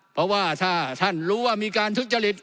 เพราะว่าถ้าท่านรู้ว่ามีการทุจริต